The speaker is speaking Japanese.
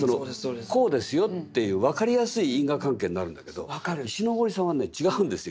こうですよっていう分かりやすい因果関係になるんだけど石森さんはね違うんですよ。